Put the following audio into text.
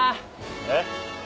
えっ？